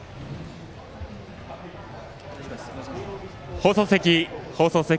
放送席、放送席。